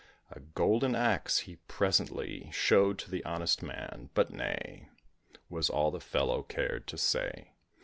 A golden axe he presently Showed to the honest man; but "Nay" Was all the fellow cared to say.